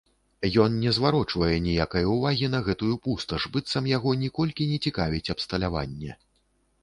Ён не зварочвае ніякае ўвагі на гэтую пусташ, быццам яго ніколькі не цікавіць абсталяванне.